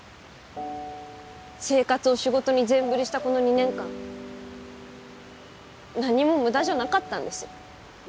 生活を仕事に全振りしたこの２年間何も無駄じゃなかったんです。